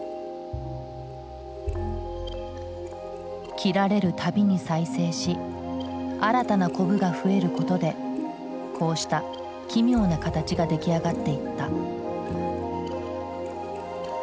切られるたびに再生し新たなコブが増えることでこうした奇妙な形が出来上がっていった。